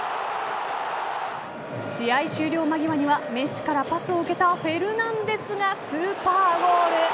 試合終了間際にはメッシからパスを受けたフェルナンデスがスーパーゴール。